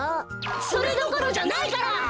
それどころじゃないから！